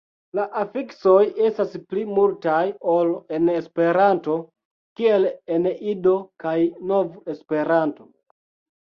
La afiksoj estas pli multaj ol en Esperanto, kiel en Ido kaj Nov-Esperanto.